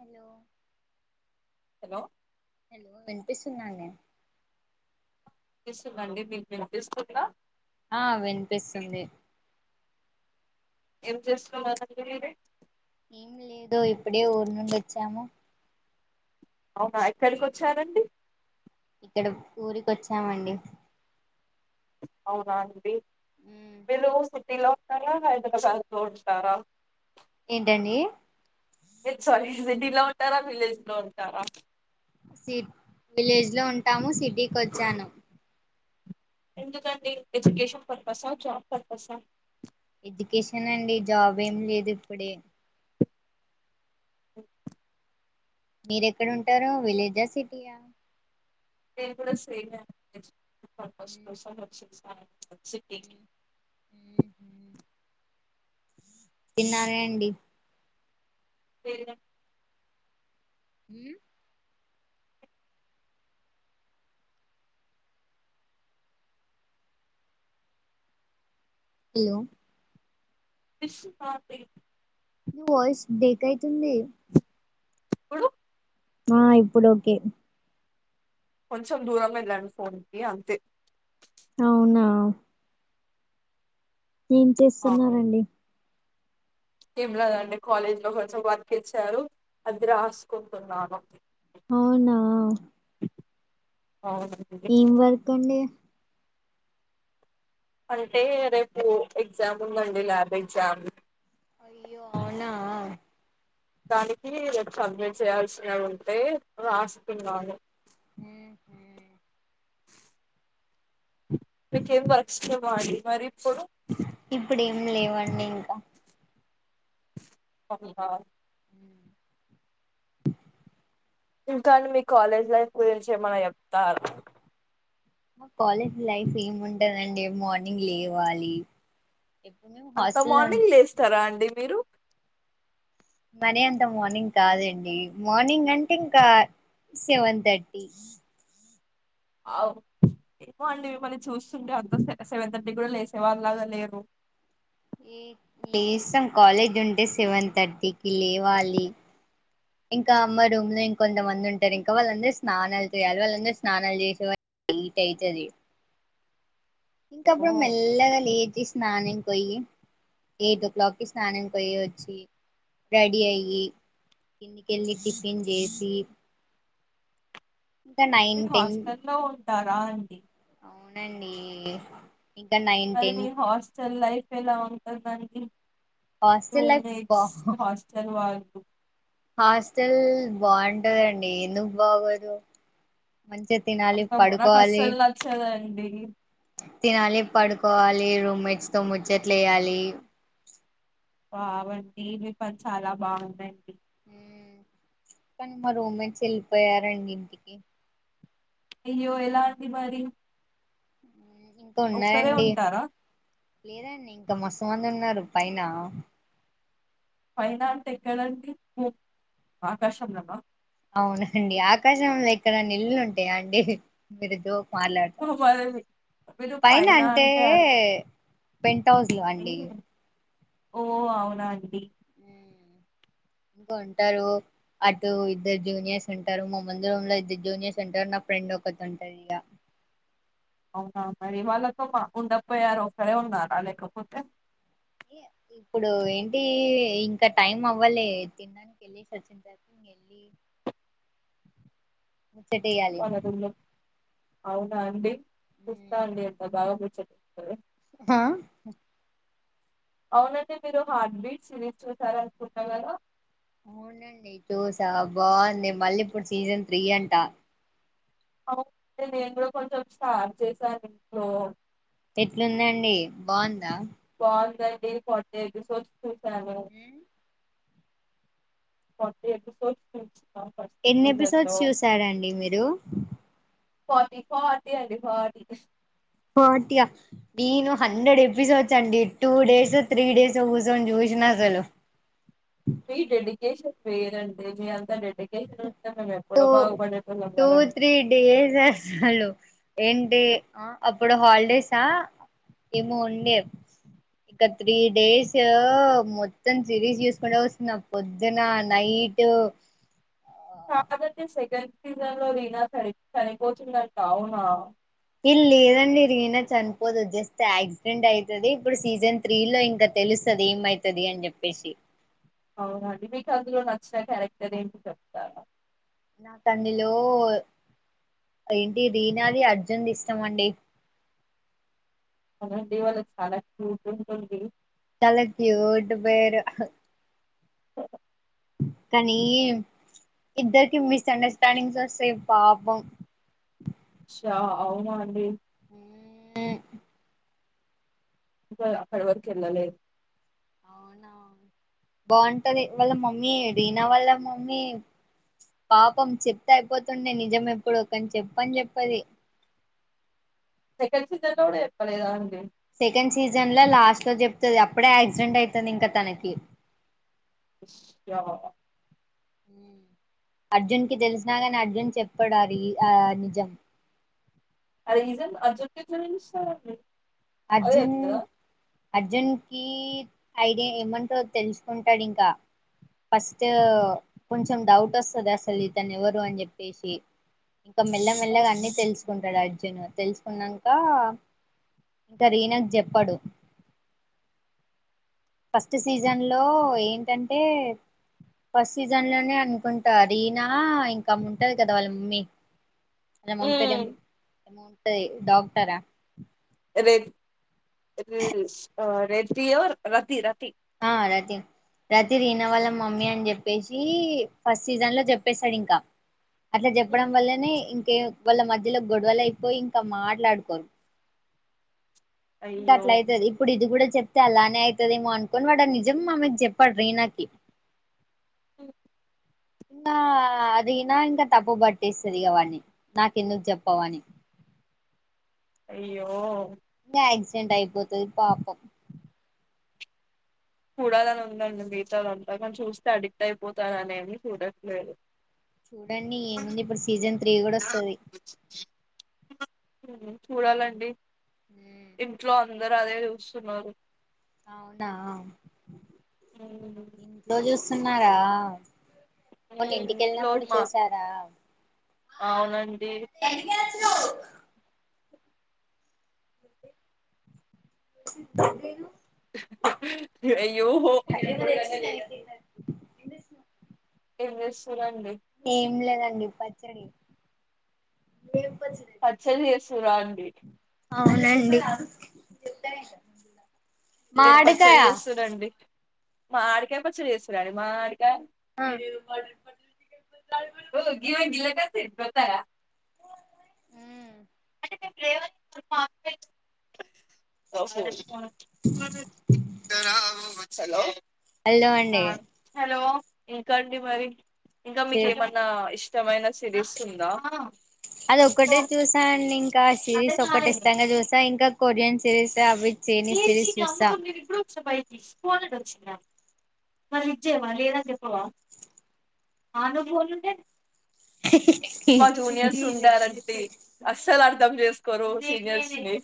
Hello hello hello వినిపిస్తున్దా అండి స్తుందండి మీకు వినిపిస్తుందా ఆ వినిపిస్తుంది. ఏం చేసుకోమా [unintelligible] ఏం లేదు ఇప్పుడే ఊరు నుండి వచ్చాము అవునా ఎక్కడికి వచ్చారండి. ఇక్కడ ఊరికచ్చామండి. అవునా అండి. మీలు సిటీల సరే హైదరాబాద్ కు [unintelligible] ఏంటండి మీరు సిటీలో ఉంటారా విలేజ్ లో ఉంటారా సి విలేజ్ లో ఉంటాము సిటీకి వచ్చాను ఎందుకండి ఎడ్యుకేషన్ పర్పసా జాబ్ పర్పసా ఎడ్యుకేషన్ అండి జాబ్ ఏమి లేదు ఇప్పుడే ఎ మీర ఎక్కడుంటారు విలేజా సిటీయా నేను కూడా సేమ్ ఎ అండి పర్పస్ కోసం వచ్చి హ్మ్ హ్మ్ హు తిన్నారా అండి లేదు అం హ్మ్ హలో పాప్డి మీ వాయిస్ బ్రేక్ అయి ఇప్పుడు ఆ ఇప్పుడు ఓకే కొంచెం దూరం వెళ్ళం ఫోన్కి అంతే అవునా ఏం అవును, చేస్తున్నారండి ఏం లేదండి కాలేజ్ లో కొంచెం వర్క్ ఇచ్చారు అది రాసుకుంటున్నాను అవునా అవునండి ఏం వర్క్ ఉండ అంటే రేపు ఎగ్జామ్ ఉందండి ల్యాబ్ ఎగ్జామ్ అయ్యో అవునా దానికి సబ్మిట్ చేయాల్సినవి ఉంటే రాసుకున్నాను హ్మ్ హు మీకేం వర్క్స్ లెవా అండి మరి ఇప్పుడు ఇప్పుడు ఏం లేవండి ఇంకా [unintelligible] ఇంకాని మీ కాలేజ్ లైఫ్ గురించి ఏమన్న చెప్తారు మా కాలేజ్ లైఫ్ ఏముంటందండి మార్నింగ్ లేవ్వాలి అంత మార్నింగ్ లేస్తారా అండి మీరు మరి అంత మార్నింగ్ కాదండి మార్నింగ్ అంటే ఇంకా సెవెన్ థర్టీ అవు ఏమో అండి మిమ్మల్ని చూస్తుంటే అంత సెవెన్ థర్టీ కూడా లేసేవాళ్ళలాగా లేరు లేస్తాం కాలేజ్ ఉంటే సెవెన్ థర్టీకి లేవాలి ఇంకా అమ్మ రూమ్ లో ఇంకొంతమంది ఉంటారు ఇంకా వాళ్ళందరు స్నానాలు చేయాలి వాళ్ళందరు స్నానాలు చేసే లేట్ అయితది ఇంకా ఓ అప్పుడు మెల్లగా లేచి స్నానం పోయి ఎయిట్ ఓ క్లాక్కిి స్నానంకి పోయి వచ్చి రెడీ అయ్యి కిందికెళ్ళి టిఫిన్ చేసి ఇంకా నైన్ టీన్ తరా అండి అవునండి ఇంకా నైన్ మరి టెన్ న హాస్టెల్ లైఫ్ ఎలా సపానికినికి రూ హాస్టల్ లైఫ్ బా హస్టల్ వాల్ హాస్టల్ బాగుంటందండి ఎందుకు బాగోదు మంచిగా తినాలి పడుకోవాలి అ తినాలి పడుకోవాలి రూమ్మేట్స్ తో ముచ్చట్లు వేయాలి బబట్ దవి పని చాలా బాగుందడి కానీ మా రోమాన్స్ వెళ్ళిపోయారండి ఇంటికి అయ్యో ఎలా అంటి మరి ఇంకా ఒక్కరే ఉన్నారండి ఉంటారా లేదండి ఇంకా మస్తు మంది ఉన్నారు పైన పైన అంటే ఎక్కడంటడి ఆకాశందమ్మా అవునండి ఆకాశంలో ఎక్కడ నీళ్లు ఉంటాయా అండి మీరు దో మాట్లాడతారు మరి పైన అంటే పెంట్ హౌస్లు అండి ఓ అవునాగది ఇంక ఉంటారు అటు ఇద్దరు జూనియర్స్ ఉంటారు మామందు రూ లో ఇద్దరు జూనియర్స్ ఉంటారు నా ఫ్రెండ్ ఒకటి ఉంటారు ఇక అవునా మరి వాళ్ళతో మా ఉండపోయారు ఒకసరే ఉన్నారా లేకపోతే ఇప్పుడు ఏంటి ఇంకా టైం అవ్వాలి తినడానికి వెళ్ళి సచ్చిన్ తేకి ఇకెళ్ళి ముచ్చటయాలి వాళ్ళ రూమ్ లో అవునా అండి కుస్తా అండింత బాగాబ చె హా అవునండి మీరు హార్ట్బీట్ సిరీస్ చూసార అనుకుంటు కదా అవునండి చూస బాగుంది మళ్ళీ ఇప్పుడు సీజన్ త్రీ అంటా అవుే నేను కూడా కొంచెం స్టార్ట్ చేసాను ఇంట్లో ఎట్లుందండి బాగుందా బట స ఈసారి కొత్త ఎపిసోడ్స్ చూస్ ఎన్ని ఎపిసోడ్స్ చూశారండి మీరు ఫార్టీ ఫార్టీ అండి ఫాటీ టిగా నేను హండ్రెడ్ ఎపిసోడ్స్ అండి టూ డేస్ త్రీ డేస్ కూర్చొని చూసిన అసలు వ డ్రీ ఏష పేరుఅండి టూ బాగుపడేటోళ్ళం టూ కదండి త్రీ డేస్ హలో ఏంటి ఆ అప్పుడు హాల్డే డేసా ఏమో ఉండే ఇక త్రీ డేస్ మొత్తం సిరీస్ చూసుకుంటే వస్తున్నా పొద్దున night Father's Day second season లో రీనా చనిపోతాదా అవునా ఇల్లి లేదండి వీనస్ చనిపోదు జస్ట్ యాక్సిడెంట్ అయితది ఇప్పుడు సీజన్ త్రీ లో ఇంకా తెలుస్తుది ఏమైతది అని చెప్పేసి అవునండి మీకు అందులో నచ్చిన క్యారెక్టర్ ఏంటి చెప్తాను నా అందులో ఏంటి రీనాది అర్జున్ది ఇష్టం అండి కొందరు దీవాలి [unintelligible] చాలంటడి చాలా క్యూట్ పేరు అఓ కానీ ఇద్దరికి మిస్ అండర్స్టాండింగ్స్ వస్తాయి పాపం చా అవునా అండి ఉ హు ఇంకా అక్కడవరకువెళ్లాల అవునా బాగుంటది వాళ్ళ మమ్మీ రీనా వాళ్ళ మమ్మీ పాపం చెప్తే అయిపోతుండే నిజం ఎప్పుడు కాని చెప్పని చెప్పది సెకండ్ సీజన్ లో కూడా చెప్పలేదా అండి సెకండ్ సీజన్ లో లాస్ట్ లో చెప్తుంది అప్పుడే యాక్సిడెంట్ అయితది ఇంకా తనకి అ అర్జున్ కి తెలిసినా కానీ అర్జున్ చెప్పడు ఈ ఆ నిజం అ రీజన్ అర్జున్ కు ఎట్లా తెలుసు అర్జన్ అర్జున్కి ఐడియా ఏమంటో తెలుసుకుంటాడు ఇంకా ఫస్ట్ కొంచెం డౌట్ వస్తుంది అసలు ఇతను ఎవరు అని చెప్పేసి ఇం మెల్ల మెల్లగాఅన్ని తెలుసు కుంటాడు అర్జును తెలుసుకున్నాక ఇంక రీనాకు చెప్పడు ఫస్ట్ సీజన్ లో ఏంటంటే ఫస్ట్ సీజన్ లోనే అనుకుంటా రీనా ఇంకా ఉంటది కదా వాళ్ళ మమ్మీ వాళ్ళ మమ్మీ పేరేం ఉదయ్ డాక్టరా రేప్ రష్ స్టార్ట్ ఎస్టీఓ రాతిర ఆ రతి రతి రీనా వాళ్ళ మమ్మీ అని చెప్ప చెప్పేసి ఫస్ట్ సీజన్ లో చెప్పేసాడు ఇంకా అట్లా ఉమ్. చెప్పడం వల్లనే ఇంకా ఏం వాళ్ళ మధ్యలో గొడవలు అయిపోయి ఇంకా మాట్లాడుకోరు ఇంకా అయ్యో అట్లా అయితది ఇప్పుడు ఇది కూడా చెప్తే అలానే అవుతుందేమో అనుకోని వాడుని నిజం మూమెంట్ చెప్పాడు రీనాకి ఉ ఇంకా అది రీనా ఇంకా తప్పు పట్టిస్తది ఇగ వాన్ని నాకెందుకు చెప్పవని అయ్యో ఇ ఆక్సిడెట్ అయిపోత పాపం చూడాలని ఉండండి మిగతాలు అంతా కాని చూస్తే అడిక్ట్ అయిపోతారునేని చూడట్లేదు చూడండి ఏముంది ఇప్పుడు సీజన్ స్త్రీ కూడా వస్తుంది ఉమ్ చూడాలండి ఇంట్లో అందరు అదే చూస్తున్నారు అవునా అవును సన్నారా మను ఇంట్లో ఇంటికెళ్ళినప్పుడు మా చూసారా అవునండి ధెండిగే తెచ్చినావ్ శ్రీను హా హా హా అయో ఎమ్ చెస్టునారు ఏం లేద డి పచ్చడి పచ్చడి సూరాండ అవునండి ఏం పచ్చడి మామిడికాయ చేస్తుందండి మా ఆడికాయ పచ్చి చేస్తురండి మా ఆడికాయ బ బ చె [unintelligible] ఓ గీవా గిలా కస్త గతారా లేవ [unintelligible] ఓహో రా [unintelligible] హలో హలో ఆ అండి హలో ఇంకాండి మరి ఇంకా మీకు చెప్ ఏమన్నా ఇష్ట మైననా సిరిస్ ఉందా అండ్ ఇంకా సిరీస్ అర్థం ఒక్కటి కాలేదు ఇష్టంగా చూస్తా ఇంకా కొరియన్ సిరీస్ అవి చైనీస్ ఏ సిరీస్ అ చూస్తా తమ్ మీ కూడా వచ్చప్పయ తీసుకోలని వచ్చిందా మరి ఇచ్చేవా లేదని చెప్పవ అనుభలు ఉండే మా జూనియర్స్ ఉండార అండి అస్ అసలు అర్థం చేసుకోరు సీనియర్స్ ని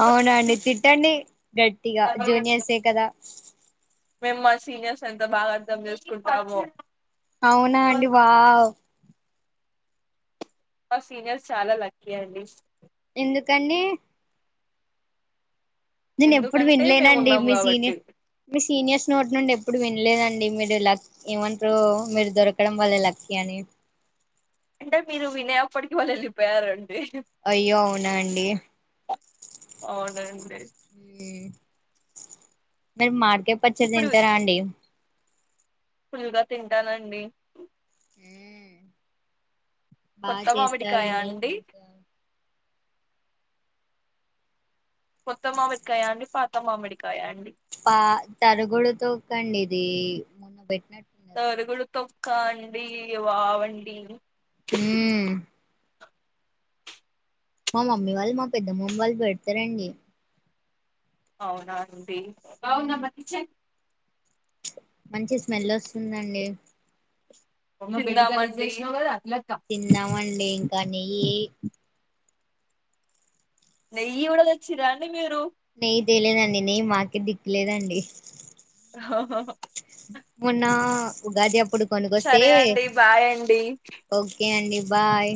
అవునండి తిట్టండి గట్టిగా జూనియర్సే కదా మేము మా సీనియర్స్ అంతా బాగా అర్ధం చేసుకుంటాము. అవునా అండి వావ్ మా సీనియర్స్ చాలా లక్కీ అండి ఎందుకండి నేను ఎప్పుడు ఎందుకంటే మేము వినలేనండి. ఉన్నాం మీ కాబట్టి సీనియర్ మీ సీనియర్స్ నోటి నుండి ఎప్పుడు వినలేదండి. మీ లక్ ఏమంటరు మీరు దొరకడం వల్ల లక్కే అని అంటే మీరు వినే అప్పటికి వాళ్ళు వెళ్ళిపోతారన్ అయ్యో అవునా అండి అవునండి మీ మరద్ కేపచ్చి ఇప్పుడు తింటరా అండి ఫుల్గా తింటానండి ఊహుమ్ కొత్త మామిడికాయ అండి మంచిగా కొత్త మామిడికాయ అండి పాత మామిడికాయ అండి పా తరుగుడు తోకండి ఇది బె తవరుకుడు తొం కాండి వావండి హుమ్ మా మమ్మీ వాళ్ళు మా పెద్దమ్మమ్మ వాళ్ళు పెడతారండి అవునాన్ బావున ఉమ్ మ కిచన్ మంచి స్మెల్ వస్తుందండి మందా తిందామండి కానీ నెయ్యి కూడలు ఇచ్చురా అండి మీరు తెలేదండి నే మాకె దిక్కులేదండి. హహ మొన్న ఉగాదిబ్ సరే అండి బాయ్ అండి ఓకే అండి బాయ్